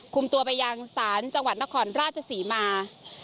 คุมตัวไปยังศาลจังหวัดนครราชศรีมา